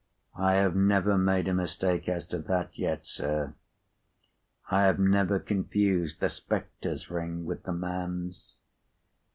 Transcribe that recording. "I have never made a mistake as to that, yet, sir. I have never confused the spectre's ring with the man's.